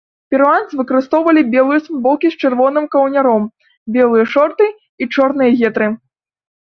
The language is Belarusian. Перуанцы выкарыстоўвалі белыя футболкі з чырвоным каўняром, белыя шорты і чорныя гетры.